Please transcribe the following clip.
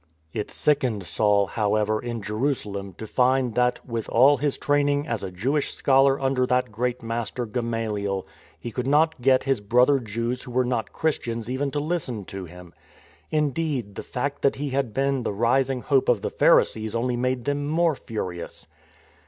It sickened Saul, however, in Jerusalem to find that, with all his training as a Jewish scholar under that great master, Gamaliel, he could not get his brother Jews who were not Christians even to listen to him. Indeed, the fact that he had been the rising hope of the Pharisees only made them more furious.